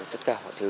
tất cả mọi thứ